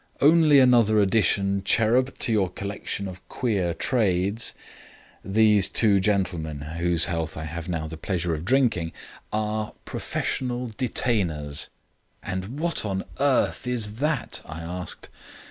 "Only another addition, Cherub, to your collection of Queer Trades. These two gentlemen (whose health I have now the pleasure of drinking) are Professional Detainers." "And what on earth's that?" I asked.